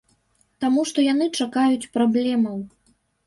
Таму што яны чакаюць праблемаў.